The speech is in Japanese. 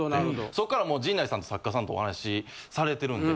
そっからもう陣内さんと作家さんとお話しされてるんで。